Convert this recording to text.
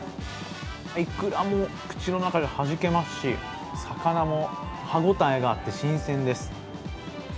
いくらも口の中ではじけますし、魚も歯ごたえがあって新鮮です。